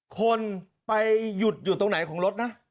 คนไปหยุดอยู่ตรงไหนของรถนะ